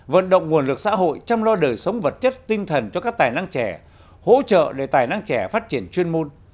vận động nguồn lực xã hội chăm lo đời sống vật chất tinh thần cho các tài năng trẻ hỗ trợ để tài năng trẻ phát triển chuyên môn